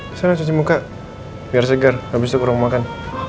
kesana cuci muka biar segar abis itu ke ruang makan